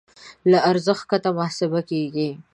له ارزښت کښته محاسبه کېږي.